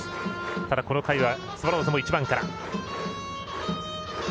ただ、この回はスワローズも１番から。